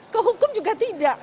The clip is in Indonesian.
kehukum juga tidak